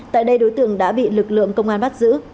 tại đây đối tượng đã bị lực lượng công an bắt giữ